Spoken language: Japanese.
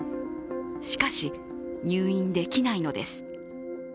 しかし、入院できないのです。